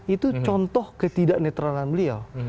itu contoh ketidak netralan beliau